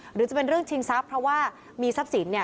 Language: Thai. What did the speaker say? หรือจะเป็นเรื่องชิงทรัพย์เพราะว่ามีทรัพย์สินเนี่ย